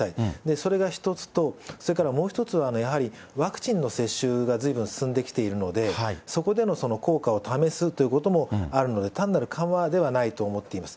それが１つと、それからもう一つはやはり、ワクチンの接種がずいぶん進んできているので、そこでの効果を試すということもあるので、単なる緩和ではないと思っています。